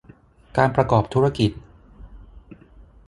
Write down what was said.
การประกอบธุรกิจ